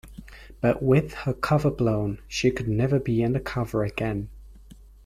But with her cover blown, she could never be undercover again.